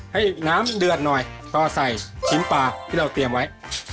ให้น้ำเดือดหน่อยก็ใส่ชิ้นปลาที่เราเตรียมไว้